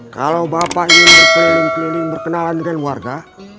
kalau bapak ingin berkeliling keliling berkenalan dengan warga